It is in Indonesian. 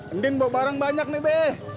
mending bawa barang banyak nih be